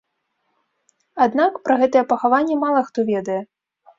Аднак пра гэтае пахаванне мала хто ведае.